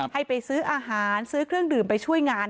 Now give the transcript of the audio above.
ให้ไปซื้ออาหารซื้อเครื่องดื่มไปช่วยงาน